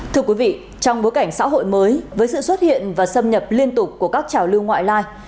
thưa quý vị trong bối cảnh xã hội mới với sự xuất hiện và xâm nhập liên tục của các trào lưu ngoại lai